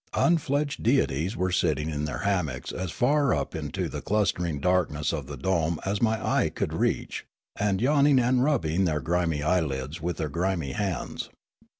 Unfledged deities were sitting in their hammocks as far up into the clustering darkness of the dome as my eye could reach, and yawning and rubbing their grimy eyelids with their grimy hands.